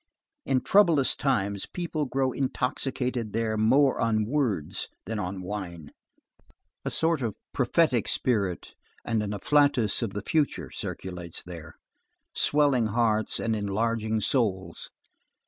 In troublous times people grow intoxicated there more on words than on wine. A sort of prophetic spirit and an afflatus of the future circulates there, swelling hearts and enlarging souls.